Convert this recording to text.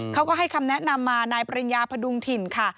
เขาก็ให้คำแนะนำมานายปริญญาพดุงถิ่นค่ะ